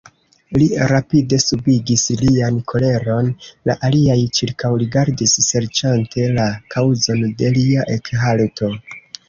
Li rapide subigis lian koleron, la aliaj ĉirkaŭrigardis serĉante la kaŭzon de lia ekhalto.